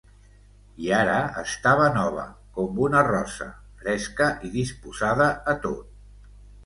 I ara estava nova, com una rosa, fresca i disposada a tot.